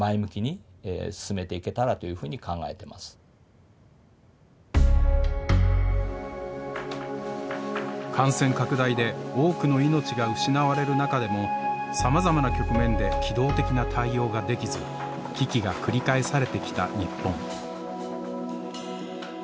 やっぱりそれはもう感染拡大で多くの命が失われる中でもさまざまな局面で機動的な対応ができず危機が繰り返されてきた日本。